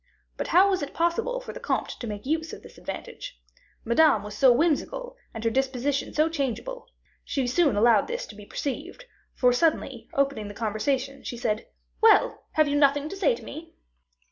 But how was it possible for the comte to make use of this advantage? Madame was so whimsical, and her disposition so changeable. She soon allowed this to be perceived, for, suddenly, opening the conversation, she said: "Well! have you nothing to say to me?"